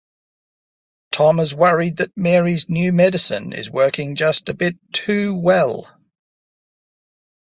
Tom is worried that Mary's new medicine is working just a bit too well.